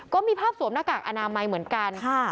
ก็มีภาพสวมหน้ากากอานาไมเหมือนกันนะครับค่ะ